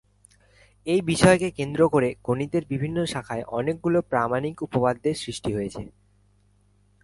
এই বিষয়কে কেন্দ্র করে গণিতের বিভিন্ন শাখায় অনেকগুলো প্রামাণিক উপপাদ্যের সৃষ্টি হয়েছে।